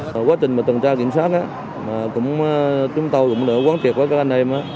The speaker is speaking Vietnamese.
trong quá trình tầm tra kiểm tra chúng tôi cũng đã quan trọng với các anh em